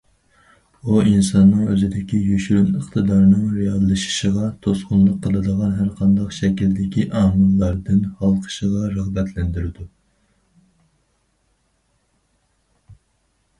ئۇ ئىنساننى ئۆزىدىكى يوشۇرۇن ئىقتىدارنىڭ رېئاللىشىشىغا توسقۇنلۇق قىلىدىغان ھەرقانداق شەكىلدىكى ئامىللاردىن ھالقىشقا رىغبەتلەندۈرىدۇ.